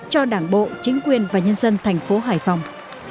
cho đảng bộ chính quyền và nhân dân thành phố hải phòng